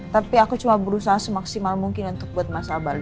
tapi aku cuma berusaha semaksimal mungkin untuk buat mas abal